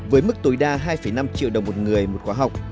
với mức tối đa hai năm triệu đồng một người một khóa học